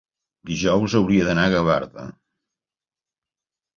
Dijous hauria d'anar a Gavarda.